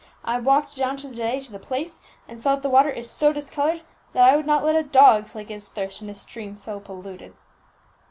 I walked down to day to the place, and saw that the water is so discoloured that I would not let a dog slake his thirst in a stream so polluted."